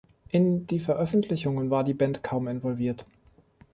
In die Veröffentlichungen war die Band kaum involviert.